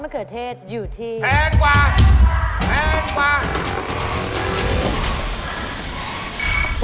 มะเขิดเทศสุดเลย